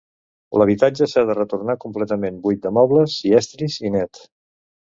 L'habitatge s'ha de retornar completament buit de mobles i estris, i net.